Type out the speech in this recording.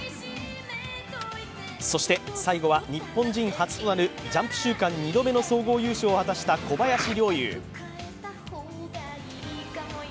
そして最後は日本人初となるジャンプ週間２度目の総合優勝を果たした小林陵侑。